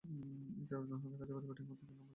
এছাড়াও, ডানহাতে কার্যকরী ব্যাটিং করতেন কেন জেমস।